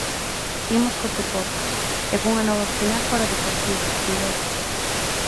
Imos cos deportes, e cunha nova final para o Deportivo, Miguel.